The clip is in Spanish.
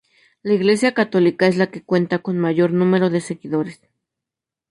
La Iglesia católica es la que cuenta con mayor número de seguidores.